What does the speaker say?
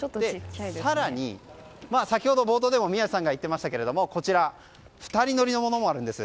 更に、先ほど、冒頭でも宮家さんが言ってましたが２人乗りのものもあるんです。